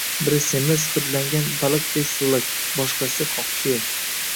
Biri semiz, hidlangan baliqdek silliq; boshqasi qoqsuyak